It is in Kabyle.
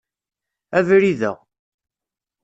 Abrid-a.